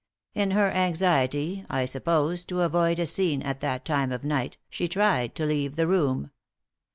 In her anxiety, I suppose, to avoid a scene at that time of night, she tried to leave the room.